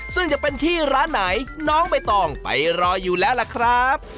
ซึ่งจะเป็นที่ร้านไหนน้องใบตองไปรออยู่แล้วล่ะครับ